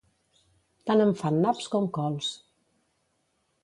Tant em fan naps com cols.